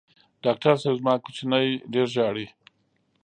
ډاکټر صېب زما کوچینی ډېر ژاړي